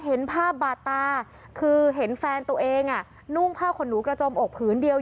เห็นภาพบาดตาคือเห็นแฟนตัวเองนุ่งผ้าขนหนูกระจมอกผืนเดียว